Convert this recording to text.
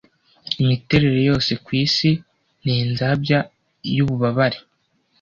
imiterere yose kwisi ni inzabya yububabare